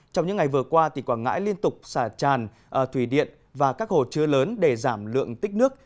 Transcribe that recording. trong những ngày vừa qua tỉnh quảng ngãi liên tục xả tràn thủy điện và các hồ chứa lớn để giảm lượng tích nước